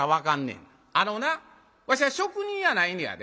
あのなわしゃ職人やないねやで。